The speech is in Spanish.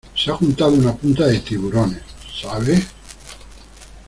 se ha juntado una punta de tiburones, ¿ sabe?